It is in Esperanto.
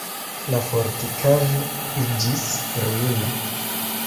La fortikaĵo iĝis ruino.